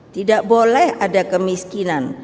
tidak boleh ada kemiskinan